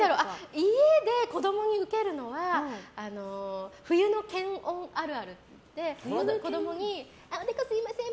家で子供にウケるのは冬の検温あるあるっていって子供におでこすみません！